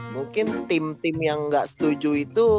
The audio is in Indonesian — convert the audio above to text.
mungkin tim tim yang nggak setuju itu